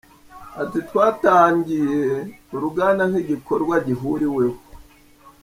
Ati” Twari twatangiye uruganda nk’igikorwa gihuriweho.